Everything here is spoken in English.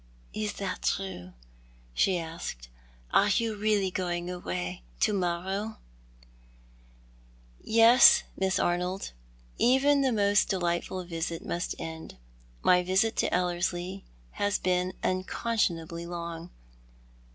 " Is that true ?" she asked. " Are you really going away — to morrow ?" "Yes, Miss Arnold; even the most delightful visit must end. My visit to EUerslie has been unconscionably long."